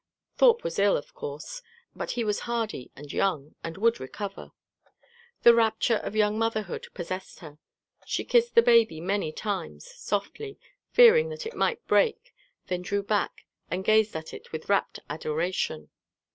Thorpe was ill, of course; but he was hardy and young, and would recover. The rapture of young motherhood possessed her. She kissed the baby many times, softly, fearing that it might break, then drew back and gazed at it with rapt adoration.